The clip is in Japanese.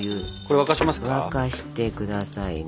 沸かして下さいな。